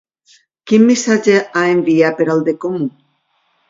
Quin missatge ha enviat per al de Comú?